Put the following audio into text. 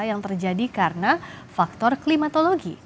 yang terjadi karena faktor klimatologi